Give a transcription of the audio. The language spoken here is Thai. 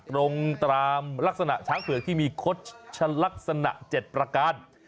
ตรงตามลักษณะช้างเผือกที่มีคดชะลักษณะ๗ประการ